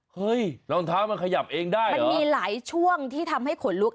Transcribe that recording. รองเท้ามันขยับเองได้มันมีหลายช่วงที่ทำให้ขนลุก